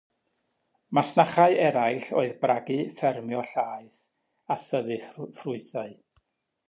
Masnachau eraill oedd bragu, ffermio llaeth a thyfu ffrwythau.